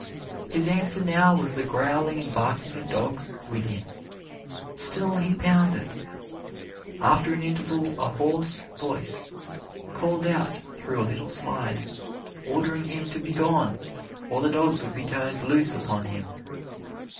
His answer now was the growling and barking of dogs, within. Still he pounded! After an interval a hoarse voice called out through a little slide, ordering him to be gone or the dogs would be turned loose upon him.